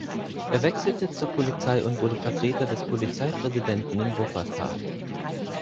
Er wechselte zur Polizei und wurde Vertreter des Polizeipräsidenten in Wuppertal.